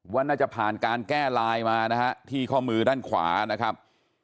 ว่าน่าจะผ่านการแก้ลายมานะฮะที่ข้อมือด้านขวานะครับ